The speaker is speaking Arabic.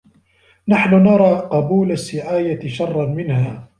نَحْنُ نَرَى قَبُولَ السِّعَايَةِ شَرًّا مِنْهَا